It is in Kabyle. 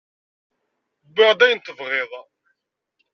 Wwiɣ-d ayen tebɣiḍ.